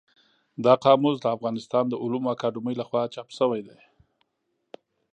دا قاموس د افغانستان د علومو اکاډمۍ له خوا چاپ شوی دی.